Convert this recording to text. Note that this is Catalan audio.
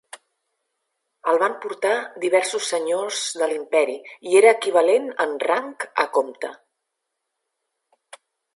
El van portar diversos senyors de l'imperi i era equivalent en rang a comte.